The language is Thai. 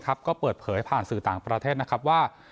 ก็เปิดเผยผ่านสื่อต่างประเทศนะครับว่า